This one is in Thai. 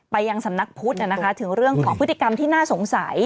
ไปยังสำนักพุทธถึงเรื่องของพฤติกรรมที่น่าสงสัย